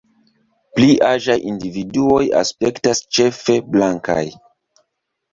Pli aĝaj individuoj aspektas ĉefe blankaj.